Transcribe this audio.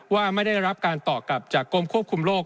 ว่าไม่ได้รับการตอบกลับจากกรมควบคุมโรค